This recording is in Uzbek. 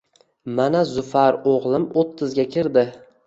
Mana, Zufar o`g`lim o`ttizga kirdi